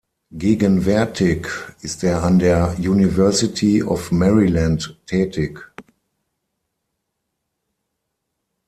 Gegenwärtig ist er an der University of Maryland tätig.